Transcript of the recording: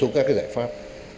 cái giải pháp